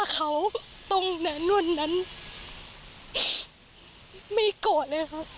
ถ้าเขาตรงแนนวันนั้นไม่โกรธเลยครับ